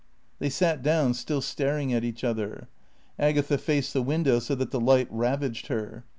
They sat down, still staring at each other. Agatha faced the window, so that the light ravaged her.